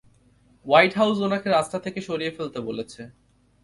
White House উনাকে রাস্তা থেকে সরিয়ে ফেলতে বলেছে।